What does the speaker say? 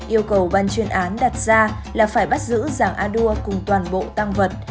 yêu cầu ban chuyên án đặt ra là phải bắt giữ giàng a đua cùng toàn bộ tăng vật